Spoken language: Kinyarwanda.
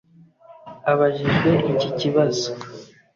Abajijwe iki kibazo